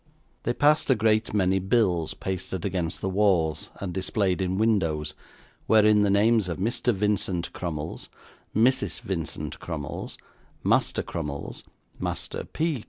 They passed a great many bills, pasted against the walls and displayed in windows, wherein the names of Mr. Vincent Crummles, Mrs. Vincent Crummles, Master Crummles, Master P.